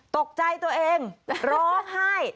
ตกใจตัวเองร้องไห้